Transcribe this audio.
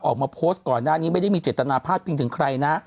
ออกมาโพสต์ก่อนหน้านี้ไม่ได้มีเจตนาพาดพิงถึงใครนะ